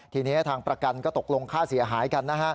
ทีนี้ทางประกันก็ตกลงค่าเสียหายกันนะฮะ